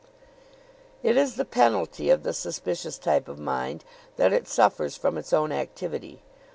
It is the penalty of the suspicious type of mind that it suffers from its own activity.